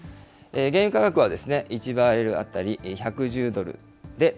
原油価格は１バレル当たり１１０